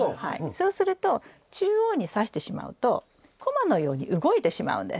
そうすると中央にさしてしまうとこまのように動いてしまうんです。